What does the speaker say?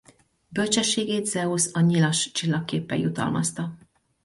Bölcsességét Zeusz a Nyilas csillagképpel jutalmazta.